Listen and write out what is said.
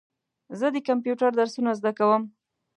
زه د کمپیوټر درسونه زده کوم.